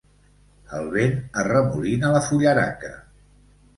El vent arremolina la fullaraca.